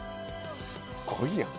すごいやん。